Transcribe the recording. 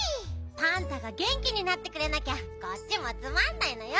パンタがげんきになってくれなきゃこっちもつまんないのよ。